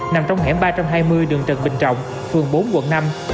nằm trong hẻm ba trăm hai mươi đường trần bình trọng phường bốn quận năm